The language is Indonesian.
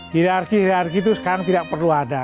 hierarki hierarki itu sekarang tidak perlu ada